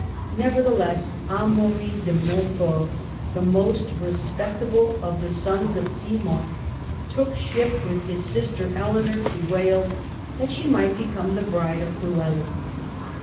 Nevertheless Amaury de Montfort, the most respectable of the sons of Simon, took ship with his sister Eleanor to Wales that she might become the bride of Llywelyn.